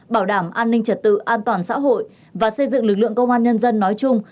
bảo đảm an ninh trật tự an toàn xã hội và xây dựng lực lượng công an nhân dân nói chung